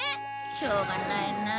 しょうがないなあ。